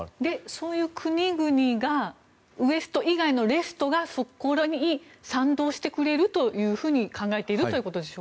そういう国々がウエスト以外のレストがこれに賛同してくれると考えていると。